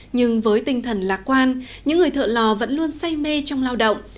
nhưng với tinh thần lạc quan những người thợ lò vẫn luôn say mê trong lao động